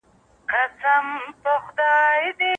غر به درکړي جوابونه